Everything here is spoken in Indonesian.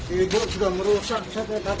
ini bu juga merusak